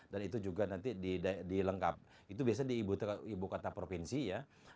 dan itu juga nanti dilengkap itu biasanya di ibukata provinsi ya